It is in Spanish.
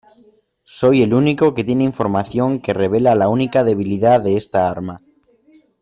Soy el único que tiene información que revela la única debilidad de esta arma.